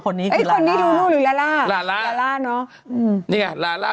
นี้ไงคนนี้รูรูหรือลาร่า